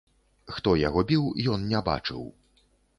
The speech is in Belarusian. Хто яго біў, ён не бачыў.